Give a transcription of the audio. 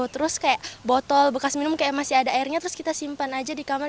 terus kayak botol bekas minum kayak masih ada airnya terus kita simpan aja di kamar